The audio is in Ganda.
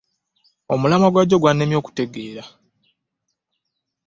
Omulamwa gw'omusomo gwa jjo gwannemye okutegeera.